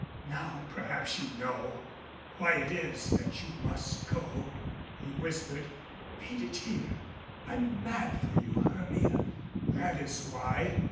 "Now perhaps you know ... why it is that you must go," he whispered. "Read it here. I'm mad for you, Hermia that is why.